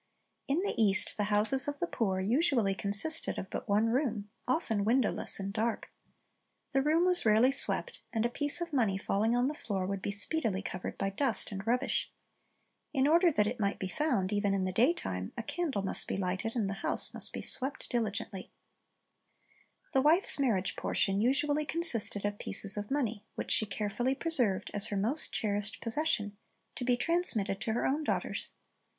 In the East the houses of the poor usually consisted of but one room, often windowless and dark. The room was rarely swept, and a piece of money falling on the floor would be speedily covered by the dust and rubbish. In .order that it might be found, even in the daytime, a candle must be lighted, and the house must be swept diligently. Til i s Ma n R e c ci v c t Ji Sinners''' 193 The wife's marriage portion usually consisted of pieces of money, which she carefully preserv ed as her most cherished possession, to be transmitted to her own daughters.